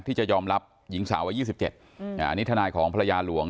ที่จะยอมรับหญิงสาววัย๒๗อันนี้ทนายของภรรยาหลวง